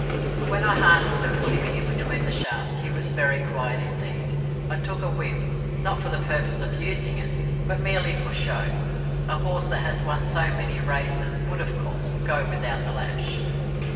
When I harnessed and put him in between the shafts he was very quiet indeed. I took a whip, not for the purpose of using it, but merely for show; a horse that had won so many races would, of course, go without the lash.